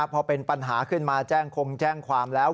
พอเป็นปัญหาขึ้นมาแจ้งคงแจ้งความแล้ว